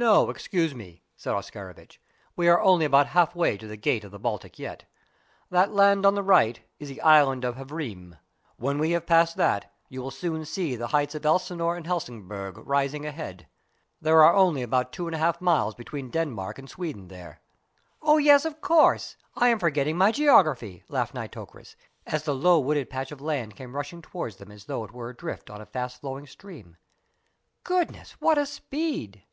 "No, excuse me," said Oscarovitch, "we are only about half way to the Gate of the Baltic yet. That land on the right is the island of Hvreen. When we have passed that you will soon see the heights of Elsinore and Helsingborg rising ahead. There are only about two and a half miles between Denmark and Sweden there." "Oh yes, of course. I am forgetting my geography," laughed Nitocris, as the low, wooded patch of land came rushing towards them as though it were adrift on a fast flowing stream. "Goodness, what a speed!"